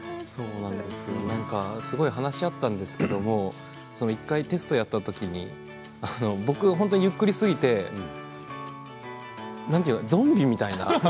なんかすごく話し合ったんですけど１回、テストをやった時に僕、本当にゆっくりすぎてゾンビみたいな。